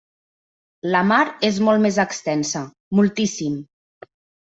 La mar és molt més extensa, moltíssim!